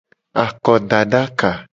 Akodadaka.